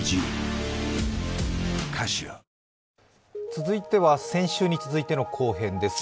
続いては先週に続いての後編です。